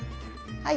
はい。